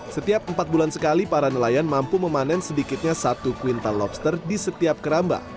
setiap empat bulan sekali para nelayan mampu memanen sedikitnya satu kuintal lobster di setiap keramba